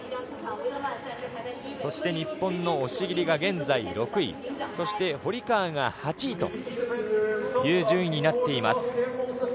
そして日本の押切が現在６位そして、堀川が８位という順位になっています。